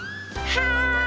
はい！